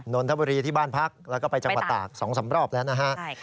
นนทบุรีที่บ้านพักแล้วก็ไปจังหวัดตาก๒๓รอบแล้วนะฮะ